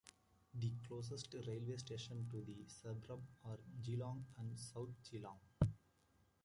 The closest railway stations to the suburb are Geelong and South Geelong.